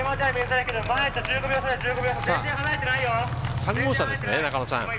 ３号車ですね。